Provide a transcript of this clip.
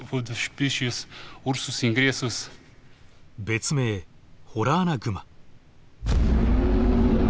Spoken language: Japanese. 別名ホラアナグマ。